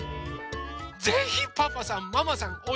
ぜひパパさんママさん